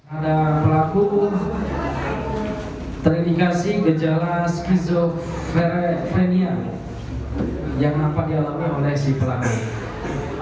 ada pelaku terindikasi gejala skizofrenia yang dapat dialami oleh si pelaku